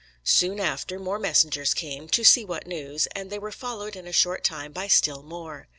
Soon after more messengers came, "to see what news," and they were followed in a short time by still more.